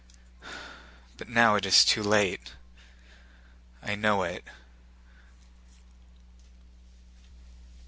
But now it is too late. I know it!"